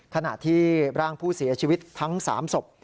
ขณะที่ร่างผู้เสียชีวิตทั้ง๓ศพ